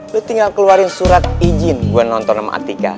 gue tinggal keluarin surat izin gue nonton sama atika